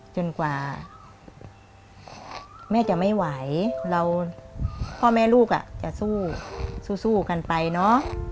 จนกว่าแม่จะไม่ไหวเราพ่อแม่ลูกจะสู้สู้กันไปเนอะ